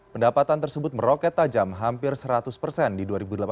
pendapatan tersebut meroket tajam hampir seratus persen di dua ribu delapan belas